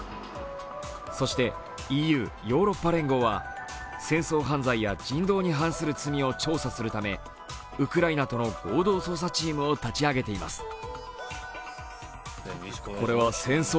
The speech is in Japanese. そしてＥＵ＝ヨーロッパ連合は戦争犯罪や人道に反する罪を調査するためウクライナとの合同捜査チームを立ち上げています。